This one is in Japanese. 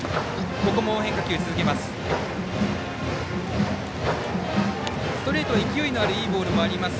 ここも変化球を続けます。